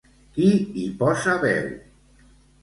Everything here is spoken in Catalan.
Qui hi posa veu?